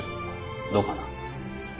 どうかなあ。